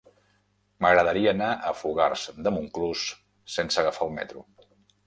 M'agradaria anar a Fogars de Montclús sense agafar el metro.